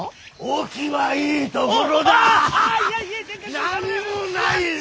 何もないぞ。